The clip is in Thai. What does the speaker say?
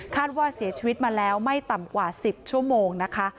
ว่าเสียชีวิตมาแล้วไม่ต่ำกว่า๑๐ชั่วโมงนะคะ